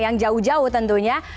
yang jauh jauh tentunya